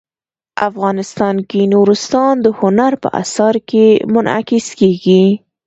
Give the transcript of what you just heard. افغانستان کې نورستان د هنر په اثار کې منعکس کېږي.